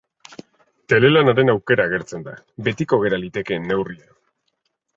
Telelanaren aukera agertzen da, betiko gera litekeen neurria.